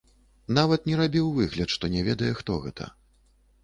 Нават не рабіў выгляд, што не ведае, хто гэта.